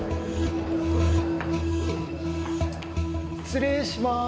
失礼します。